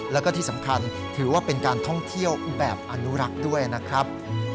แล้วก็ที่สำคัญถือว่าเป็นการท่องเที่ยวแบบอนุรักษ์ด้วยนะครับ